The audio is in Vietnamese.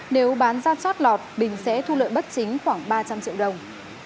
nếu bán ra chót lọt bình sẽ thu lợi bất chính khoảng ba trăm linh triệu đồng